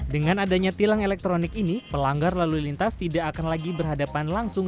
dengan adanya tilang elektronik ini pelanggar lalu lintas tidak akan lagi berhadapan langsung